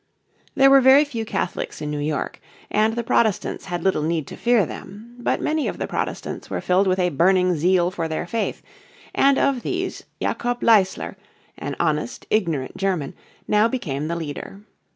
There were very few Catholics in New York, and the Protestants had little need to fear them. But many of the Protestants were filled with a burning zeal for their faith, and of these Jacob Leisler, an honest, ignorant German, now became the leader.